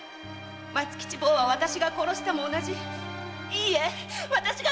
〔松吉坊は私が殺したも同じいいえ私が殺したんです！〕